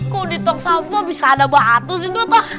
kok dituk sampah bisa ada batu sih dut